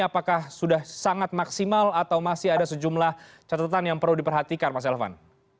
apakah sudah sangat maksimal atau masih ada sejumlah catatan yang perlu diperhatikan mas elvan